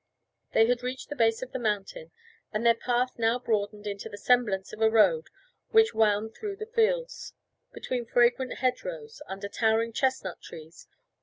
They had reached the base of the mountain, and their path now broadened into the semblance of a road which wound through the fields, between fragrant hedgerows, under towering chestnut trees.